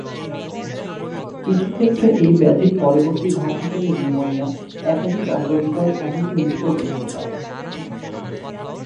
কিছুক্ষেত্রে এই ব্যাধির পরবর্তী ধাপ হিসেবে নিউমোনিয়া, একাধিক অঙ্গ বিকল এমনকি মৃত্যুও ঘটতে পারে।